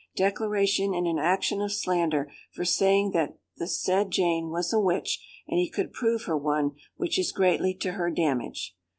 "Declaration in an action of slander for saying that the said Jane was a witch, and he could prove her one, which is greatly to her damage.